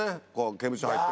刑務所入っても。